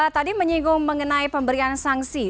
tadi menyinggung mengenai pemberian sanksi